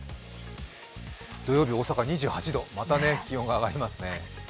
土曜日、大阪２８度、また気温が上がりますね。